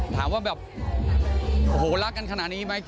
ถามว่าแบบโอ้โหรักกันขนาดนี้ไหม